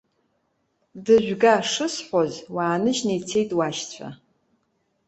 Дыжәга шысҳәоз, уааныжьны ицеит уашьцәа.